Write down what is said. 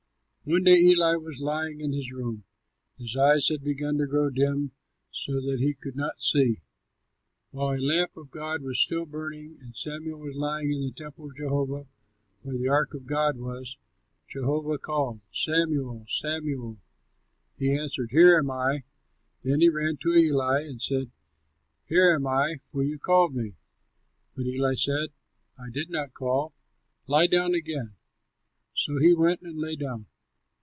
One day Eli was lying in his room. His eyes had begun to grow dim so that he could not see. While the lamp of God was still burning, and Samuel was lying in the temple of Jehovah where the ark of God was, Jehovah called, "Samuel! Samuel!" He answered, "Here am I." Then he ran to Eli and said, "Here am I, for you called me." But Eli said, "I did not call, lie down again." So he went and lay down.